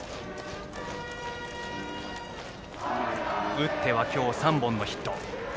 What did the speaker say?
打っては今日３本のヒット。